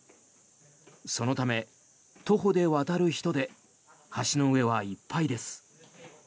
そのため、徒歩で渡る人で橋の上はいっぱいです。